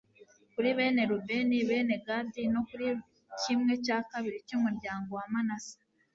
kuri bene rubeni, bene gadi no kuri kimwe cya kabiri cy'umuryango wa manase